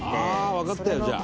わかったよじゃあ」